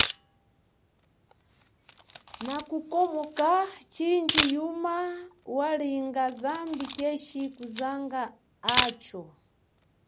Nakukomoka chindji yuma walinga zambi keshi kuzanga acho.